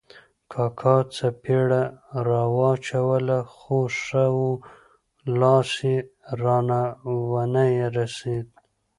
کاکا څپېړه را واچوله خو ښه وو، لاس یې را و نه رسېد.